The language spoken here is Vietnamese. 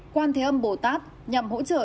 quan thế âm bồ tát nhằm hỗ trợ